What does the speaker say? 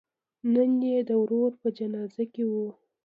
نن یې د ورور په جنازه کې و.